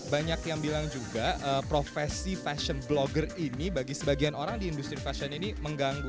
banyak yang bilang juga profesi fashion blogger ini bagi sebagian orang di industri fashion ini mengganggu